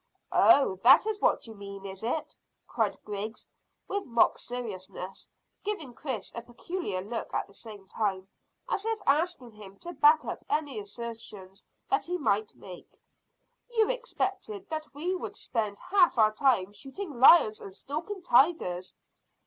"Oh, that's what you mean, is it?" cried Griggs, with mock seriousness, giving Chris a peculiar look at the same time, as if asking him to back up any assertions that he might make. "You expected that we would spend half our time shooting lions and stalking tigers?"